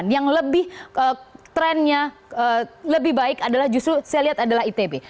yang lebih trendnya lebih baik adalah justru saya lihat adalah itb